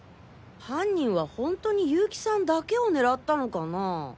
犯人はホントに結城さんだけを狙ったのかなぁ？